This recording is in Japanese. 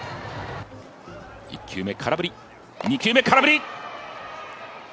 １球目空振り、２球目空振り。